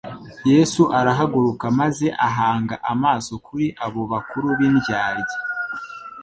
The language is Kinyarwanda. Yesu arahaguruka maze ahanga amaso kuri abo bakuru b'indyarya,